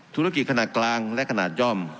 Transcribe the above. ธุรกิจขนาดกลางและขนาดย่อม